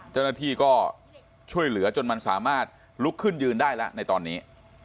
เจ้าหน้าที่ก็ช่วยเหลือจนมันสามารถลุกขึ้นยืนได้แล้วในตอนนี้